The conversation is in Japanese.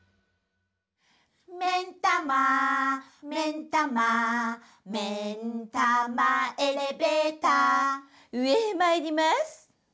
「めんたまめんたま」「めんたまエレベーター」うえへまいりまーす。